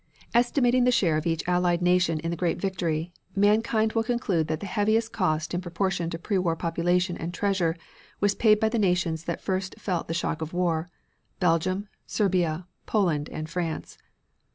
Estimating the share of each Allied nation in the great victory, mankind will conclude that the heaviest cost in proportion to prewar population and treasure was paid by the nations that first felt the shock of war, Belgium, Serbia, Poland and France.